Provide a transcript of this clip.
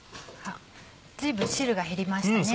随分汁が減りましたね。